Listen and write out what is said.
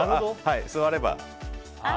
座れば。